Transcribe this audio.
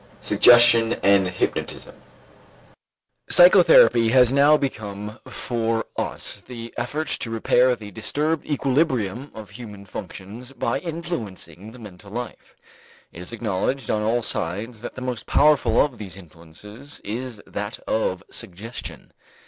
V SUGGESTION AND HYPNOTISM Psychotherapy has now become for us the effort to repair the disturbed equilibrium of human functions by influencing the mental life. It is acknowledged on all sides that the most powerful of these influences is that of suggestion.